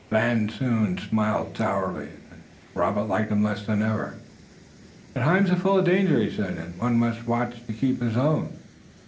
Van Zoon smiled sourly, and then Robert liked him less than ever. "The times are full of danger," he said, "and one must watch to keep his own."